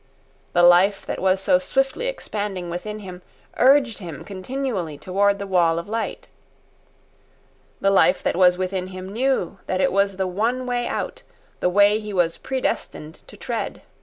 The life that was so swiftly expanding within him, urged him continually toward the wall of light. The life that was within him knew that it was the one way out, the way he was predestined to tread.